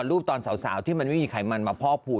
เธอไปดูเหมือนตอนสาวที่มันไม่มีไขมันมาพ่อผูอ